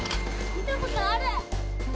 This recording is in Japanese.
見たことある。